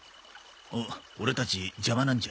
オオレたち邪魔なんじゃ。